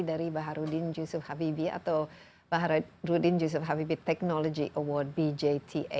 dari baharudin yusuf habibi atau baharudin yusuf habibi technology award bjta